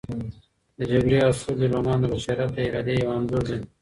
د جګړې او سولې رومان د بشریت د ارادې یو انځور دی.